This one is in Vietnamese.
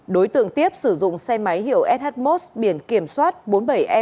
đối tượng tiếp sử dụng xe máy hiệu shmos biển kiểm soát bốn mươi bảy e một hai trăm ba mươi ba